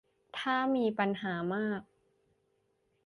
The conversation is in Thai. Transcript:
ถ้ามีปัญหามาก